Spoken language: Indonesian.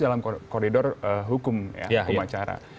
dalam koridor hukum ya hukum acara